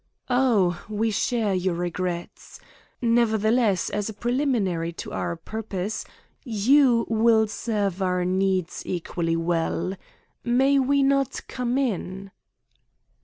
"Ah! We share your regrets. Nevertheless, as a preliminary to our purpose, you will serve our needs equally well. May we not come in?"